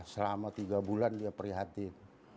selama tiga bulan dia prihatin